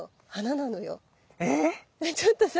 ⁉ちょっとさ